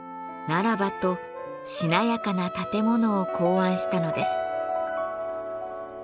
ならばとしなやかな立て物を考案したのです。